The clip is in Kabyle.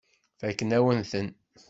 Fakken-awen-ten.